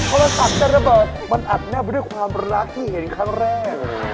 เพราะว่าสัตว์จะระเบิดมันอัดหน้าไปด้วยความรักที่เห็นครั้งแรก